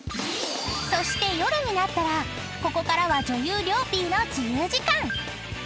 ［そして夜になったらここからは女優りょうぴぃの自由時間］